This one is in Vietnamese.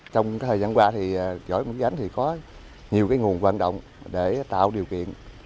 trong thời gian qua giỏi mũi giánh có nhiều nguồn hoạt động để tạo điều kiện